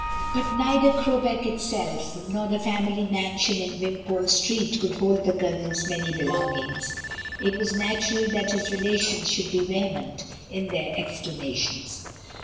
I4I But neither Crowbeck itself, nor the family mansion in Wimpole Street could hold the Colonel's many belongings. It was natural that his relations should be vehement in their exclamations.